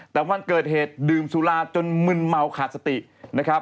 แต่วันเกิดเหตุดื่มสุราจนมึนเมาขาดสตินะครับ